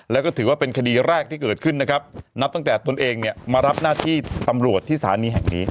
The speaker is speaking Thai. แล้วก็ถือว่าเป็นคดีแรกที่เกิดขึ้นนะครับนับตั้งแต่ตนเองเนี่ยมารับหน้าที่ตำรวจที่สถานีแห่งนี้